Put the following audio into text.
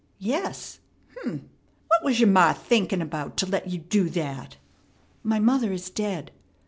"Yes." "H'm! What was your ma thinkin' about to let you do that?" "My mother is dead.